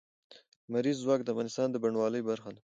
لمریز ځواک د افغانستان د بڼوالۍ برخه ده.